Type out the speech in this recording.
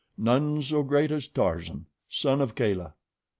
None so great as Tarzan, son of Kala.